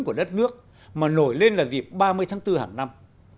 của đất nước mà nổi lên là dịp ba mươi tháng bốn hàng năm